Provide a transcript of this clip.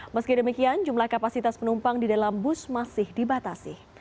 meski demikian jumlah kapasitas penumpang di dalam bus masih dibatasi